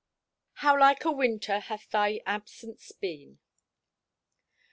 "HOW LIKE A WINTER HATH THY ABSENCE BEEN."